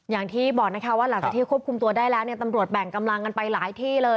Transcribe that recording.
อย่างที่บอกนะคะว่าหลังจากที่ควบคุมตัวได้แล้วเนี่ยตำรวจแบ่งกำลังกันไปหลายที่เลย